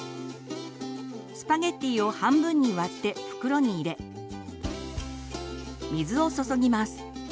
スパゲッティを半分に割って袋に入れ水を注ぎます。